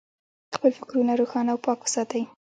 خپل فکرونه روښانه او پاک وساتئ.